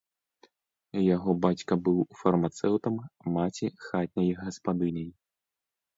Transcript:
Яго бацька быў фармацэўтам, маці хатняй гаспадыняй.